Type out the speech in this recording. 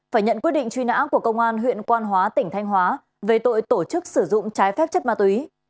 phải nhận quyết định truy nã của công an huyện quan hóa tỉnh thanh hóa về tội tổ chức sử dụng trái phép chất ma túy